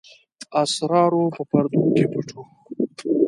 اسرارو په پردو کې پټ وو.